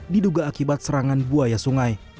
diduga akibat serangan buaya sungai